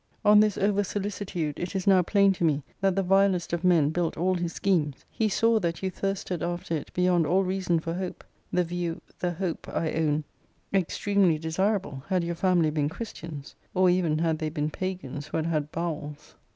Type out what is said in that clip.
On this over solicitude it is now plain to me, that the vilest of men built all his schemes. He saw that you thirsted after it beyond all reason for hope. The view, the hope, I own, extremely desirable, had your family been Christians: or even had they been Pagans who had had bowels.